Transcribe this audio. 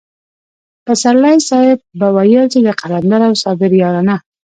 پسرلی صاحب به ويل چې د قلندر او صابر يارانه.